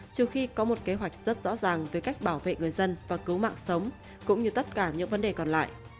trừ khi có một kế hoạch rất rõ ràng về cách bảo vệ người dân và cứu mạng sống cũng như tất cả những vấn đề còn lại